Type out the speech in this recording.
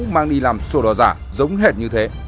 mang đi làm sổ đỏ giả giống hệt như thế